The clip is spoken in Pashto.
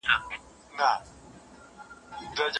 د یوه بل غېږي ته ولوېدلو